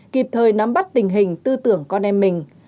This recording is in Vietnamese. kịp thời nắm bắt tình hình tư tưởng con em mình